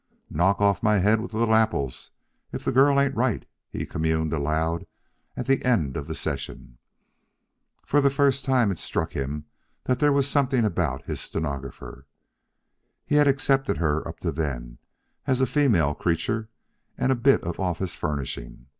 "Knock off my head with little apples if the girl ain't right," he communed aloud at the end of the session. For the first time it struck him that there was something about his stenographer. He had accepted her up to then, as a female creature and a bit of office furnishing.